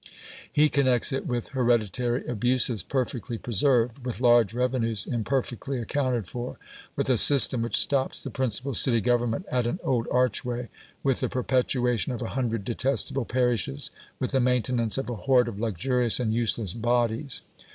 He connects it with hereditary abuses perfectly preserved, with large revenues imperfectly accounted for, with a system which stops the principal city government at an old archway, with the perpetuation of a hundred detestable parishes, with the maintenance of a horde of luxurious and useless bodies.